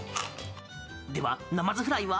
では、ナマズフライは？